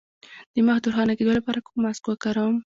د مخ د روښانه کیدو لپاره کوم ماسک وکاروم؟